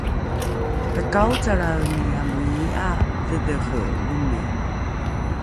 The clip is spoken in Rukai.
Takaocalraeni amo ii'a dhedhehe omi